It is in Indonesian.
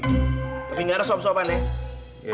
tapi gak ada sop sopan ya